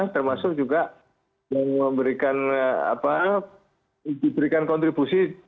termasuk juga yang memberikan kontribusi